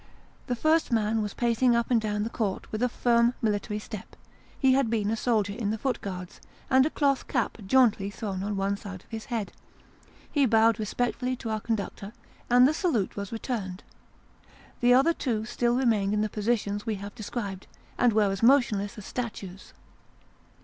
The first man was pacing up and down the court with a firm military step he had been a soldier in the Foot Guards and a cloth cap jauntily thrown on one side of his head. He bowed respectfully to our conductor, and the salute was returned. The other two still remained in the positions we have described, and were as motionless as statues.